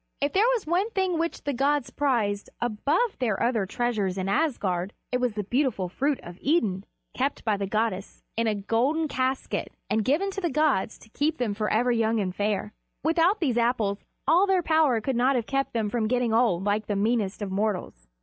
If there was one thing which the gods prized above their other treasures in Asgard, it was the beautiful fruit of Idun, kept by the goddess in a golden casket and given to the gods to keep them forever young and fair. Without these Apples all their power could not have kept them from getting old like the meanest of mortals.